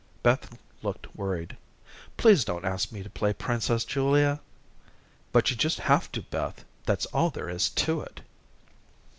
Beth looked worried. "Please don't ask me to play princess, Julia." "But you just have to, Beth; that's all there is about it."